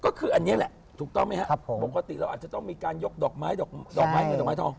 ก็คืออันนี้แหละถูกต้องไหมครับผมปกติเราอาจจะต้องมีการยกดอกไม้ดอกไม้เงินดอกไม้ทอง